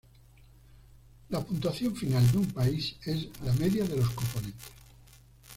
La puntuación final de un país es la media de los componentes.